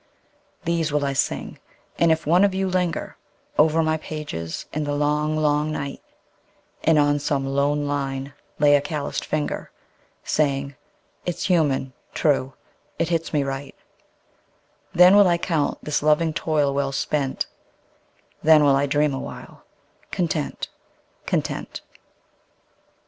These will I sing, and if one of you linger Over my pages in the Long, Long Night, And on some lone line lay a calloused finger, Saying: "It's human true it hits me right"; Then will I count this loving toil well spent; Then will I dream awhile content, content.